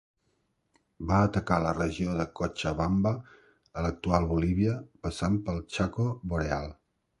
Va atacar la regió de Cochabamba, a l'actual Bolívia, passant pel Chaco Boreal.